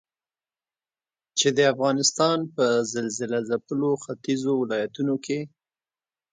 چې د افغانستان په زلزلهځپلو ختيځو ولايتونو کې